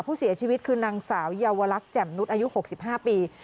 ผู้เสียชีวิตคือนางสาวเยาวลักษณ์แจ่มนุษย์อายุ๖๕ปี